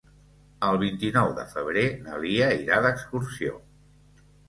El vint-i-nou de febrer na Lia irà d'excursió.